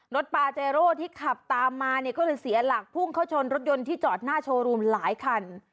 ปาเจโร่ที่ขับตามมาเนี่ยก็เลยเสียหลักพุ่งเข้าชนรถยนต์ที่จอดหน้าโชว์รูมหลายคัน